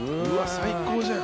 最高じゃん。